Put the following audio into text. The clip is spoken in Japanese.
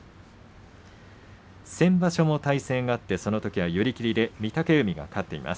先場所も対戦があってそのときは寄り切りで御嶽海が勝っています。